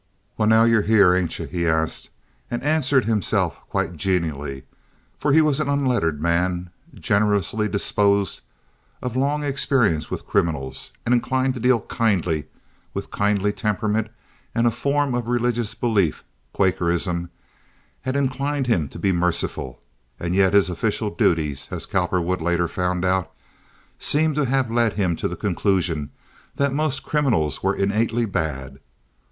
"Well, now you're here, hain't yuh?" he asked, and answered himself quite genially, for he was an unlettered man, generously disposed, of long experience with criminals, and inclined to deal kindly with kindly temperament and a form of religious belief—Quakerism—had inclined him to be merciful, and yet his official duties, as Cowperwood later found out, seemed to have led him to the conclusion that most criminals were innately bad.